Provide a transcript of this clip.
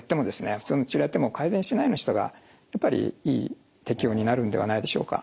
普通の治療やっても改善しないような人がやっぱり適用になるんではないでしょうか。